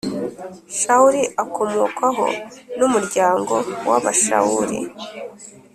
Shawuli akomokwaho n’umuryango w’Abashawuli